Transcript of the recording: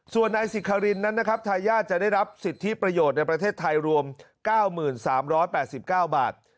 ส่วนในสิทธิ์คารินไทยญาติจะได้รับสิทธิประโยชน์ในประเทศไทยรวม๙๓๘๙บาท